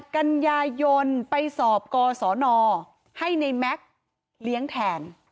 กันยายนไปสอบกศนให้ในแม็กซ์เลี้ยงแทน